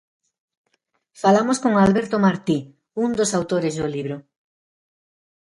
Falamos con Alberto Martí, un dos autores do libro.